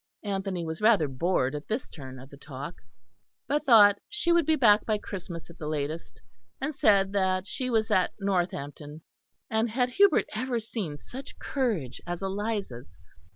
Anthony was rather bored at this turn of the talk; but thought she would be back by Christmas at the latest; and said that she was at Northampton and had Hubert ever seen such courage as Eliza's?